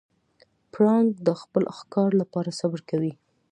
پړانګ د خپل ښکار لپاره صبر کوي.